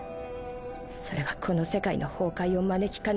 それはこの世界の崩壊を招きかねないから。